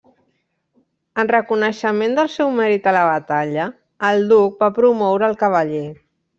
En reconeixement del seu mèrit a la batalla, el duc va promoure'l cavaller.